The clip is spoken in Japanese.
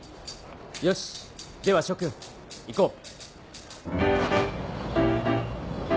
よしでは諸君行こう。